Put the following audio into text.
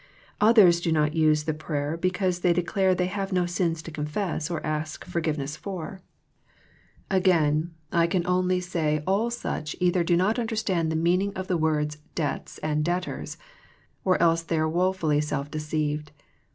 Others do not use the prayer because they de clare they have no sins to confess or ask forgive ness for. Again, I can only say all such either 63 64 THE PEACTIOE OF PEAYEE do not understand the meaning of the words " debts " and " debtors," or else they are wof ully self deceived.